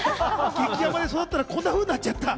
激甘で育ったらこんなふうになっちゃった。